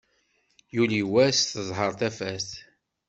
Yuli wass teḍher tafat.